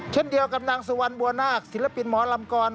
เช่นเดียวกับนางสุวรรณบัวนาคศิลปินหมอลำกร